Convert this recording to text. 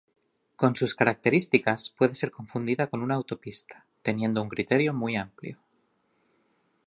Con sus características puede ser confundida con una autopista, teniendo un criterio muy amplio.